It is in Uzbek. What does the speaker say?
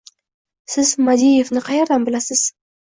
— Siz Madievni qaerdan bilasiz?